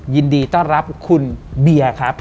ยินดีต้อนรับคุณเบียร์ครับ